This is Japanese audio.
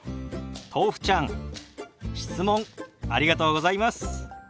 とうふちゃん質問ありがとうございます。